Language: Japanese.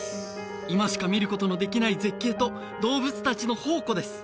今しか見ることのできない絶景と動物達の宝庫です